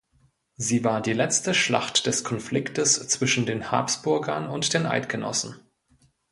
Sie war die letzte Schlacht des Konfliktes zwischen den Habsburgern und den Eidgenossen.